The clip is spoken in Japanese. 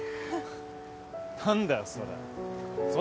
何だよ？